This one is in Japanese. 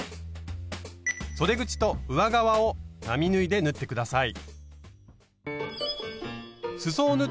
そで口と上側を並縫いで縫って下さい。